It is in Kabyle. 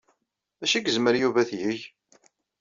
D acu ay yezmer Yuba ad t-yeg?